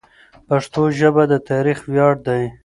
پښتو ژبه زموږ د تاریخ ویاړ دی.